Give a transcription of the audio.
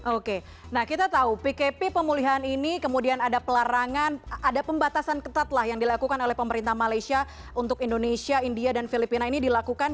oke nah kita tahu pkp pemulihan ini kemudian ada pelarangan ada pembatasan ketat lah yang dilakukan oleh pemerintah malaysia untuk indonesia india dan filipina ini dilakukan